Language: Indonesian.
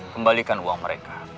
kembalikan uang mereka